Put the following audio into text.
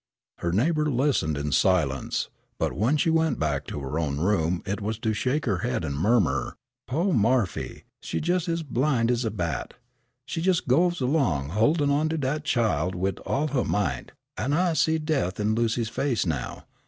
Her neighbor listened in silence, but when she went back to her own room it was to shake her head and murmur: "Po' Marfy, she jes' ez blind ez a bat. She jes' go 'long, holdin' on to dat chile wid all huh might, an' I see death in Lucy's face now.